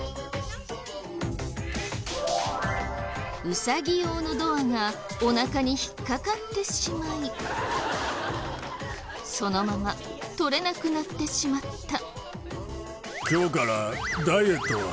ウサギ用のドアがおなかに引っかかってしまいそのまま取れなくなってしまった。